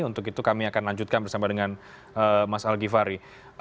untuk itu kami akan lanjutkan bersama dengan mas al gifari